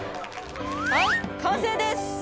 はい完成です。